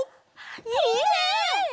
いいね！